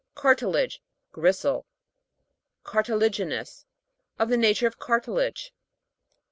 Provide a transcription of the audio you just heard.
CAR'TILAGE. Gristle. CARTILA'GINOUS. Of the nature of cartilage.